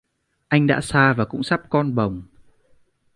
Anh đã xa và cũng sắp con bồng